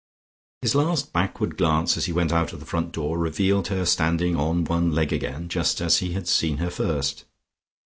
His last backward glance as he went out of the front door revealed her standing on one leg again, just as he had seen her first.